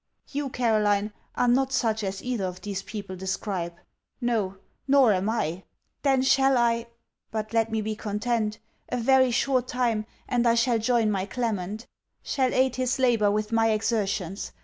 You, Caroline, are not such as either of these people describe. No: nor am I. Then shall I but let me be content a very short time and I shall join my Clement: shall aid his labour with my exertions.